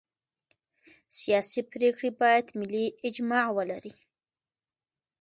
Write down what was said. سیاسي پرېکړې باید ملي اجماع ولري